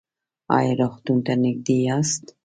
ایا روغتون ته نږدې یاست؟